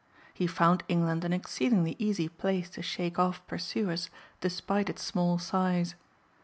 He found England an exceedingly easy place to shake off pursuers despite its small size.